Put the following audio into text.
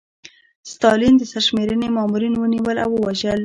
ستالین د سرشمېرنې مامورین ونیول او ووژل.